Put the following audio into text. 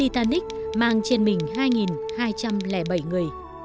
mang trên mình hai hai trăm linh bảy người